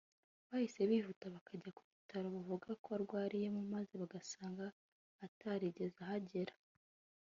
bahise bihuta bakajya ku bitaro yavugaga ko arwariyemo maze bagasanga atarigeze ahagera